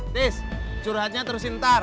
tis curhatnya terus hintar